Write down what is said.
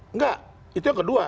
enggak itu yang kedua